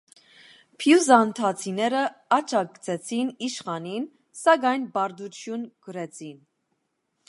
Բյուզանդացիները աջակցեցին իշխանին, սակայն պարտություն կրեցին։